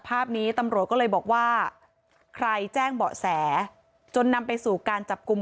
ภาพนี้ตำรวจก็เลยบอกว่าใครแจ้งเบาะแสจนนำไปสู่การจับกลุ่ม